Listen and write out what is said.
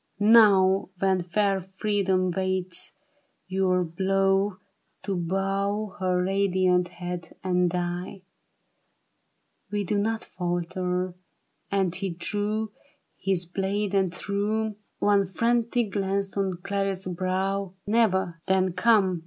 " Now when fair Freedom waits your blow To bow her radiant head and die ? We do not falter," and he drew His blade and threw One frantic glance on Clarice's brow ;" Never ! Then come."